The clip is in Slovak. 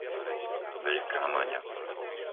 Veľká Maňa